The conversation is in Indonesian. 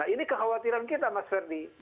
ini kekhawatiran kita mas ferdi